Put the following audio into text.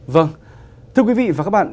vâng thưa quý vị và các bạn